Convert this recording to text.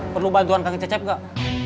perlu bantuan kak ngececep gak